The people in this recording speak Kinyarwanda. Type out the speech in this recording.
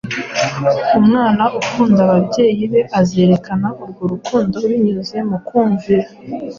Umwana ukunda ababyeyi be azerekana urwo rukundo binyuze mu kumvira